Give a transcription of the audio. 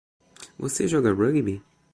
Você joga rugby?